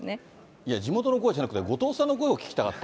いや、地元の声じゃなくて、後藤さんの声を聞きたかった。